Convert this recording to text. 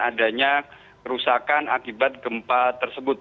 adanya kerusakan akibat gempa tersebut